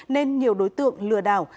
nên nhiều đối tượng lừa đảo